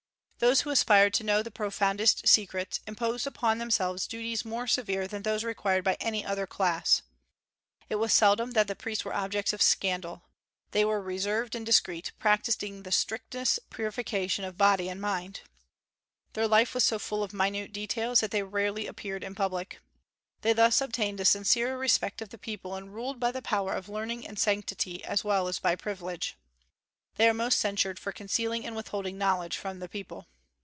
Those who aspired to know the profoundest secrets, imposed upon themselves duties more severe than those required by any other class. It was seldom that the priests were objects of scandal; they were reserved and discreet, practising the strictest purification of body and mind. Their life was so full of minute details that they rarely appeared in public. They thus obtained the sincere respect of the people, and ruled by the power of learning and sanctity as well as by privilege. They are most censured for concealing and withholding knowledge from the people.